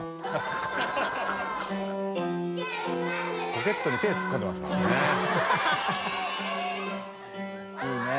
ポケットに手突っ込んでますからね。）